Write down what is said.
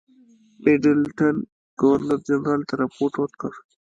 میډلټن ګورنرجنرال ته رپوټ ورکړ.